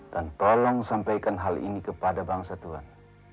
dan tolong sampaikan hal ini kepada bangsa tuhan